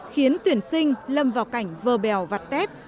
khiến tuyển sinh lâm vào cảnh vờ bèo vặt tép